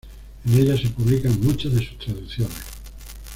En ella se publican muchas de sus traducciones.